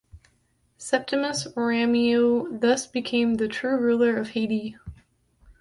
Septimus Rameau thus became the true ruler of Haiti.